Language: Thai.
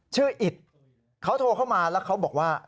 อิตเขาโทรเข้ามาแล้วเขาบอกว่า